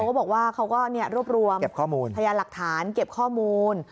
เขาก็บอกว่าเขาก็รวบรวมพยายามหลักฐานเก็บข้อมูล